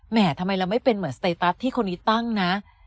ทำไมเราไม่เป็นเหมือนสเตตัสที่คนนี้ตั้งนะ